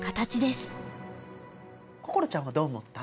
心ちゃんはどう思った？